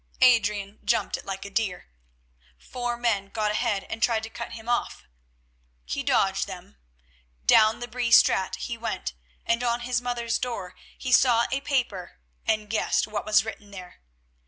Adrian jumped it like a deer. Four men got ahead and tried to cut him off. He dodged them. Down the Bree Straat he went, and on his mother's door he saw a paper and guessed what was written there.